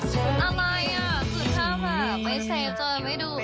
สุดท้าแบบไม่เซฟเจอไม่ดู